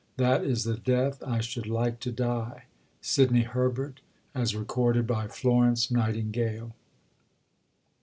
That is the death I should like to die. SIDNEY HERBERT (as recorded by Florence Nightingale).